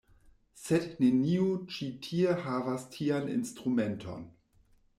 Sed neniu ĉi tie havas tian instrumenton.